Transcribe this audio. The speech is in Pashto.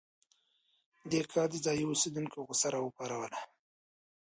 دې کار د ځايي اوسېدونکو غوسه راوپاروله.